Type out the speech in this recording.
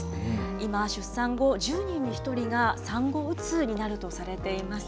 今、出産後１０人に１人が、産後うつになるとされています。